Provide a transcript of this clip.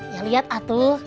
ya liat atuh